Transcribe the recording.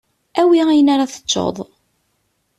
Awi ayen ara teččeḍ.